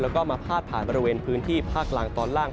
แล้วก็มาพาดผ่านบริเวณพื้นที่ภาคล่างตอนล่าง